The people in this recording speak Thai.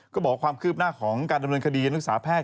บอกว่าความคืบหน้าของการดำเนินคดีนักศึกษาแพทย